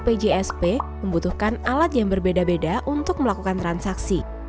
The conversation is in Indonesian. pjsp membutuhkan alat yang berbeda beda untuk melakukan transaksi